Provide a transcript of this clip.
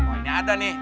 oh ini ada nih